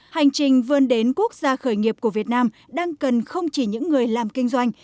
hành trình vươn đến quốc gia khởi nghiệp của việt nam đang cần không chỉ những người làm kinh doanh